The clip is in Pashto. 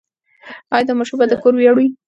ایا دا ماشوم به د دې کور ویاړ وي؟